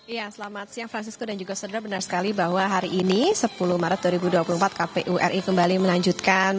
iya selamat siang francisco dan juga saudara benar sekali bahwa hari ini sepuluh maret dua ribu dua puluh empat kpu ri kembali melanjutkan